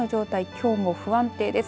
きょうも不安定です。